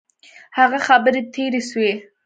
هغه خبري تیري سوې.